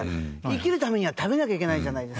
生きるためには食べなきゃいけないじゃないですか。